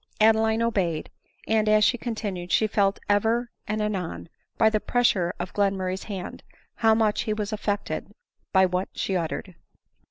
Adeline obeyed ; and as she continued, she felt ever and anon, by the pressure of Glenmurray's hand, how much he was affected by what she uttered.